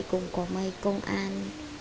cũng có mấy công an